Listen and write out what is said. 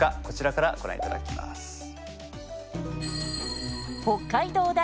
こちらからご覧いただきます。